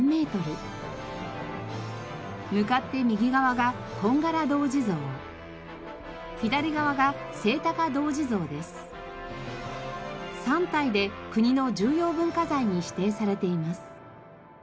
向かって右側が左側が３体で国の重要文化財に指定されています。